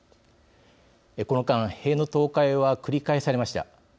この間塀の倒壊は繰り返されました。